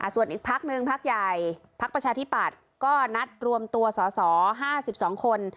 ส่วนอีกพักหนึ่งพักใหญ่พักประชาธิปัตย์ก็นัดรวมตัวสอสอ๕๒คน